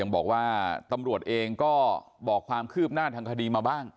บอกว่าตำรวจเองก็บอกความคืบหน้าทางคดีมาบ้าง